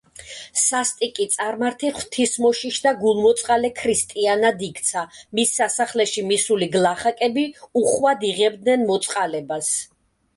სასტიკი წარმართი ღვთისმოშიშ და გულმოწყალე ქრისტიანად იქცა, მის სასახლეში მისული გლახაკები უხვად იღებდნენ მოწყალებას.